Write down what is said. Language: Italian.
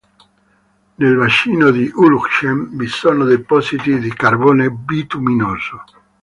Nel bacino di Ulug-Chem vi sono depositi di carbone bituminoso.